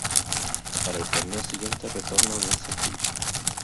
Para el torneo siguiente retorna a Unión San Felipe.